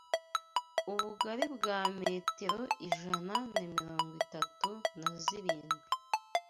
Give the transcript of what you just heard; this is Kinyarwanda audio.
ubugari bwa metero ijana na mirongo itatu nazirindwi